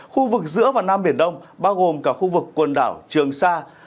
khu vực giữa và nam biển đông bao gồm cả khu vực quần đảo trường sa